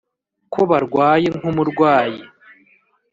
ko barwaye nk’umurwayi